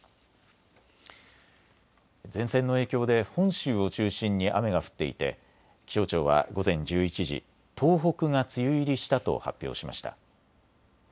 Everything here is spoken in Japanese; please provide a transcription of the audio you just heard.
前線の影響で本州を中心に雨が降っていて気象庁は午前１１時、東北が梅雨入りしたと発表しました。